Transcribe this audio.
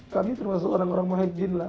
kami termasuk orang orang mahaijin lah